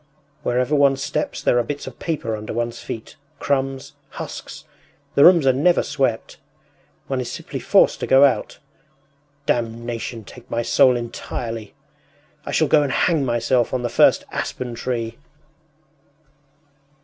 “Wherever one steps there are bits of paper under one’s feet, crumbs, husks. The rooms are never swept! One is simply forced to go out. Damnation take my soul entirely! I shall go and hang myself on the first aspen tree!